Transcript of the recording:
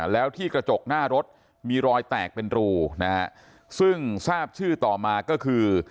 แล้วที่กระจกหน้ารถมีรอยแตกเป็นรูนะฮะซึ่งทราบชื่อต่อมาก็คือ